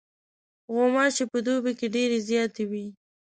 غوماشې په دوبي کې ډېرې زیاتې وي.